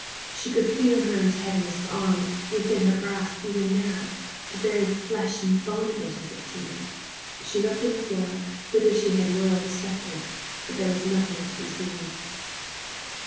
She could feel her antagonist's arm within her grasp even now—the very flesh and bone of it, as it seemed. She looked on the floor whither she had whirled the spectre, but there was nothing to be seen.